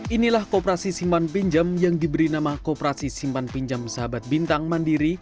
inilah kooperasi simpan pinjam yang diberi nama kooperasi simpan pinjam sahabat bintang mandiri